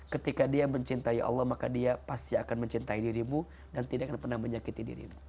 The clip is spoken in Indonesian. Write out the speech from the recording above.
ketika dia mencintai allah maka dia pasti akan mencintai dirimu dan tidak akan pernah menyakiti dirimu